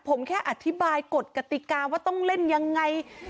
ผมแค่อธิบายกฎกติกาว่าต้องเล่นยังไง